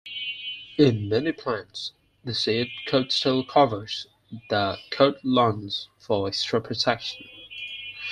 In many plants, the seed coat still covers the cotyledons for extra protection.